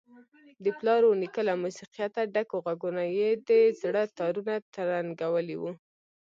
د پلار ونیکه له موسیقیته ډکو غږونو یې د زړه تارونه ترنګولي وو.